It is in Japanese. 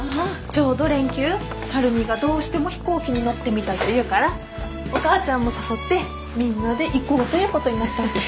ちょうど連休晴海がどうしても飛行機に乗ってみたいと言うからお母ちゃんも誘ってみんなで行こうということになったわけ。